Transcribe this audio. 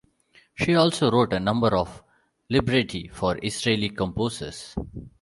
She also wrote a number of libretti for Israeli composers.